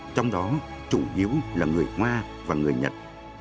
trong đó chủ yếu là người hoa và người nhật